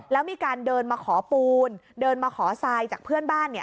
แล้วมีการเดินมาขอปูนเดินมาขอทรายจากเพื่อนบ้าน